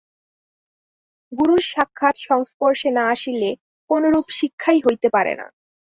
গুরুর সাক্ষাৎ সংস্পর্শে না আসিলে কোনরূপ শিক্ষাই হইতে পারে না।